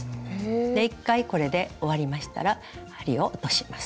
で一回これで終わりましたら針を落とします。